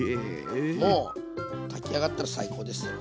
もう炊き上がったら最高ですよ。